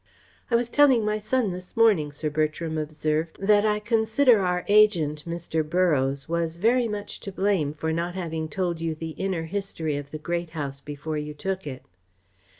"I was telling my son this morning," Sir Bertram observed, "that I consider our agent, Mr. Borroughes, was very much to blame for not having told you the inner history of the Great House before you took it."